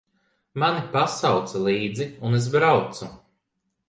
Mani pasauca līdzi, un es braucu.